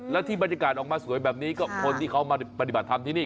แล้วที่บรรยากาศออกมาสวยแบบนี้ก็คนที่เขามาปฏิบัติธรรมที่นี่